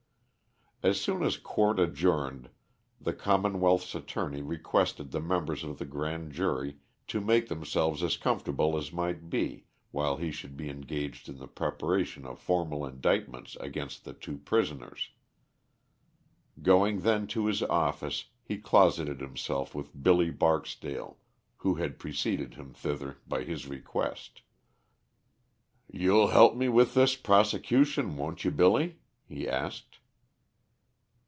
As soon as court adjourned the commonwealth's attorney requested the members of the grand jury to make themselves as comfortable as might be while he should be engaged in the preparation of formal indictments against the two prisoners. Going then to his office he closeted himself with Billy Barksdale, who had preceded him thither by his request. "You'll help me with this prosecution, won't you Billy?" he asked.